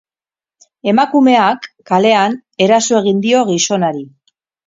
Emakumeak kalean eraso egin dio gizonari.